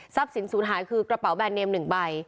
ทรัพย์สินสุดท้ายคือกระเป๋าแบนเนม๑ใบ